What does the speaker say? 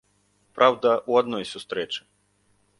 Праўда, у адной сустрэчы.